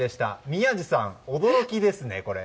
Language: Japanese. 宮司さん、驚きですね、これ。